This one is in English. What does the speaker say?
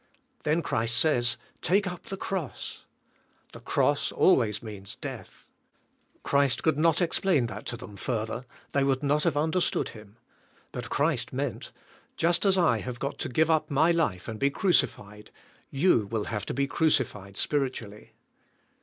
Then Christ says, "Take up the cross." The cross al ways means death. Christ could not explain that to them further. They would not have understood Him. But Christ meant, '' Just as I have g ot to g ive up my life and be crucified, you will have to be crucified spiritually."